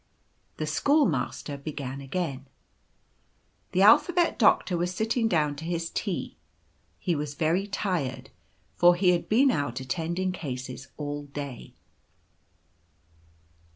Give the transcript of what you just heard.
The schoolmaster began again —" The Alphabet Doctor was sitting down to his tea. He was very tired, for he had been out attending cases all day."